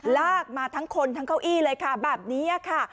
ลากมาทั้งคนทั้งเก้าอี้เลยค่ะแบบนี้ค่ะ